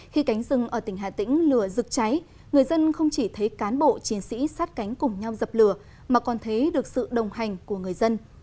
khi cánh rừng ở tỉnh hà tĩnh lửa rực cháy người dân không chỉ thấy cán bộ chiến sĩ sát cánh cùng nhau dập lửa mà còn thấy được sự đồng hành của người dân